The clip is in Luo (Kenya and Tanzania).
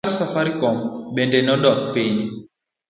Ohala mar safaricom bende nodok piny.